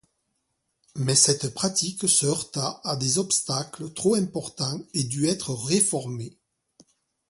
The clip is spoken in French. Mais cette pratique se heurta à des obstacles trop importants et dut être réformée.